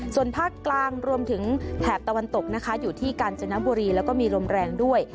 ส่วนภาคกลางรวมถึงแถบตะวันตกนะคะอยู่ที่กาญจนบุรีแล้วก็มีลมแรงด้วย